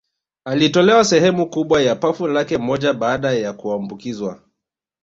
Alitolewa sehemu kubwa ya pafu lake moja baada ya kuambukizwa